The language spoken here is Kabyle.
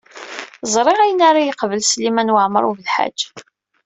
Ẓriɣ d ayen ara yeqbel Smawil Waɛmaṛ U Belḥaǧ.